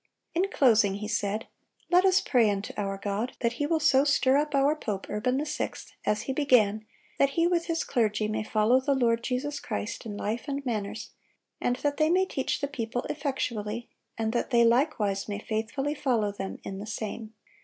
In closing he said: "Let us pray unto our God, that He will so stir up our pope Urban VI., as he began, that he with his clergy may follow the Lord Jesus Christ in life and manners; and that they may teach the people effectually, and that they, likewise, may faithfully follow them in the same."